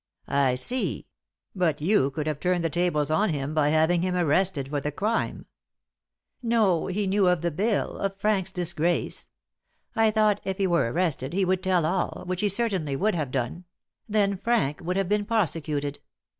"I see; but you could have turned the tables on him by having him arrested for the crime." "No, he knew of the bill of Frank's disgrace. I thought, if he were arrested, he would tell all, which he certainly would have done; then Frank would have been prosecuted.